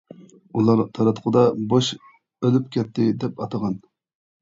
ئۇلار تاراتقۇدا «بوش ئۆلۈپ كەتتى» دەپ ئاتىغان.